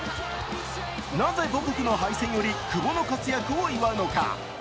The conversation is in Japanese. なぜ母国の敗戦より久保の活躍を祝うのか。